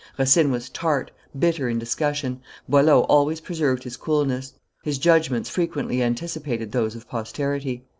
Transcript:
Racine was tart, bitter in discussion; Boileau always preserved his coolness: his judgments frequently anticipated those of posterity.